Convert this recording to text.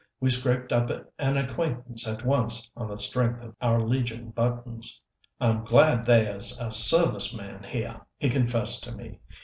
We scraped up an acquaintance at once on the strength of our Legion buttons. "I'm glad theya's a suvice man heah," he confessed to me.